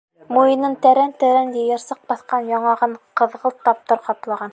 Муйынын тәрән-тәрән йыйырсыҡ баҫҡан, яңағын ҡыҙғылт таптар ҡаплаған.